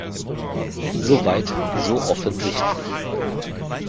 So weit, so offensichtlich.